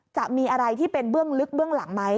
จะมีอะไรที่เป็นเบื้องลึกเบื้องหลังไหม